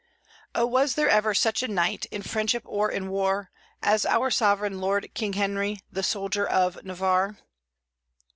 Oh, was there ever such a knight, in friendship or in war, As our sovereign lord, King Henry, the soldier of Navarre?"